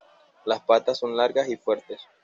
Las patas son largas y fuertes.